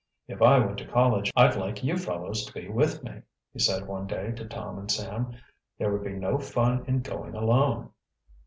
"If I went to college I'd like you fellows to be with me," he said one day to Tom and Sam. "There would be no fun in going alone."